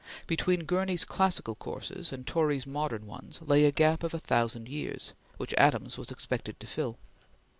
Between Gurney's classical courses and Torrey's modern ones, lay a gap of a thousand years, which Adams was expected to fill.